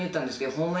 ホンマや。